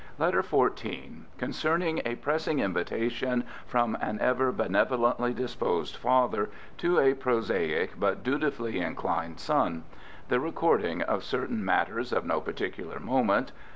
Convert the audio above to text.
LETTER XIV Concerning a pressing invitation from an ever benevolently disposed father to a prosaic but dutifully inclined son. The recording of certain matters of no particular moment.